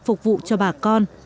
phục vụ cho bà con